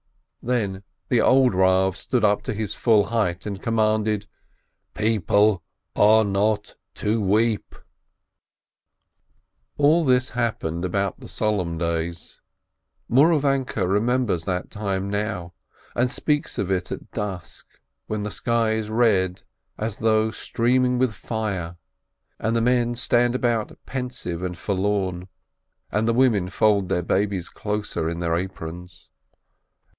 Then the old Eav stood up to his full height and commanded : "People are not to weep !" All this happened about the Solemn Days. Mou ravanke remembers that time now, and speaks of it at dusk, when the sky is red as though streaming with fire, and the men stand about pensive and forlorn, and the women fold their babies closer in their aprons.